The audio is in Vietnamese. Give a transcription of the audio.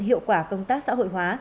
hiệu quả công tác xã hội hóa